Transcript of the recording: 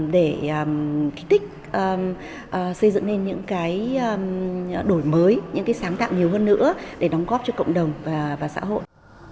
để kích thích xây dựng nên những cái đổi mới những cái sáng tạo nhiều hơn nữa để đóng góp cho cộng đồng và xã hội